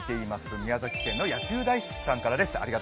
宮崎県の野球大好きさんです。